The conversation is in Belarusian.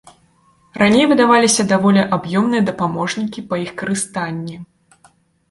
Раней выдаваліся даволі аб'ёмныя дапаможнікі па іх карыстанні.